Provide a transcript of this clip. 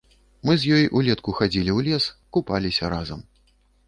Мы з ёй улетку хадзілі ў лес, купаліся разам.